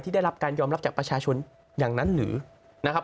ได้รับการยอมรับจากประชาชนอย่างนั้นหรือนะครับ